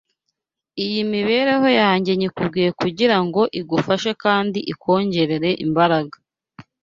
Iyi mibereho yanjye nyikubwiriye kugira ngo igufashe kandi ikongerere imbaraga